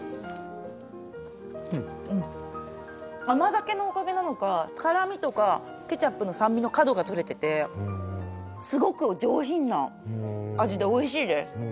甘酒のおかげなのか辛みとかケチャップの酸味の角が取れててすごく上品な味でおいしいです。